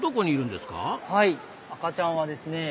はい赤ちゃんはですね